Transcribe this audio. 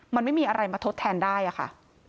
มันไม่มีอะไรมาทดแทนได้อะค่ะ